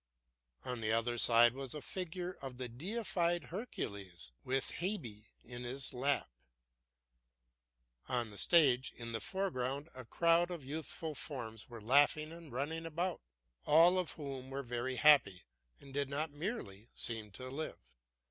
On the other side was a figure of the deified Hercules, with Hebe in his lap. On the stage in the foreground a crowd of youthful forms were laughing and running about, all of whom were very happy and did not merely seem to live.